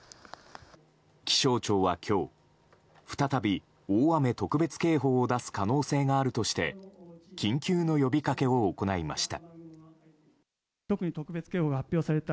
気象庁は今日、再び大雨特別警報を出す可能性があるとして緊急の呼びかけを行いました。